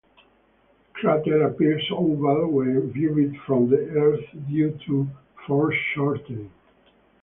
The crater appears oval when viewed from the Earth due to foreshortening.